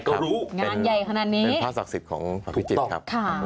เป็นพระศักดิ์สิทธิ์ของพระพิจิตธ์ถูกต้อง